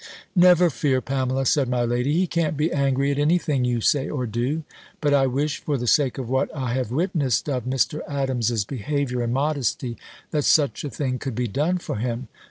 "Never fear, Pamela," said my lady; "he can't be angry at any thing you say or do. But I wish, for the sake of what I have witnessed of Mr. Adams's behaviour and modesty, that such a thing could be done for him."